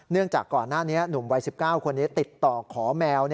จากก่อนหน้านี้หนุ่มวัย๑๙คนนี้ติดต่อขอแมว